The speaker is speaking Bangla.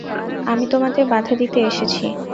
আমি তোমাদের বাধা দিতে এসেছি।